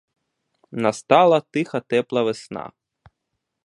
Настала тиха тепла весна.